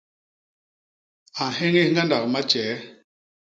A nhéñés ñgandak matjee.